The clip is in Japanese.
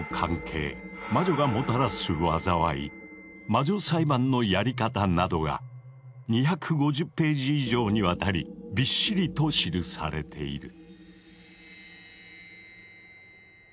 魔女裁判のやり方などが２５０ページ以上にわたりびっしりと記されている。